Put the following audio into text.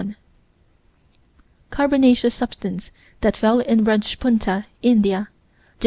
Carbonaceous substance that fell at Rajpunta, India, Jan.